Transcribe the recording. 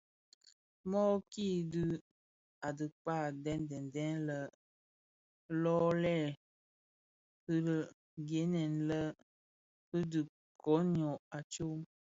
Mōōki dhi a diba deň deň deň yè lō lè fighèlèn fi dhi koň ňyô a tsom.